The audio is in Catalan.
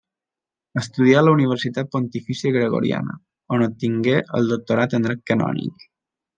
Estudià a la Universitat Pontifícia Gregoriana, on obtingué el Doctorat en Dret Canònic.